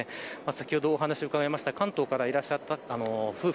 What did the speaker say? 先ほどお話を伺った関東からいらっしゃった夫婦